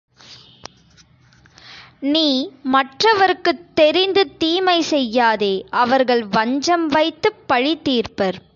நீ மற்றவருக்குத் தெரிந்து தீமை செய்யாதே அவர்கள் வஞ்சம் வைத்துப் பழிதீர்ப்பர்.